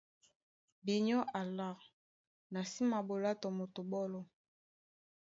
Binyɔ́ alâ, na sí maɓolá tɔ moto ɓɔ́lɔ.